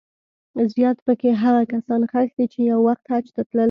زیات په کې هغه کسان ښخ دي چې یو وخت حج ته تلل.